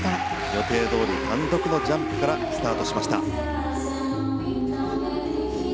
予定どおり単独のジャンプからスタートしました。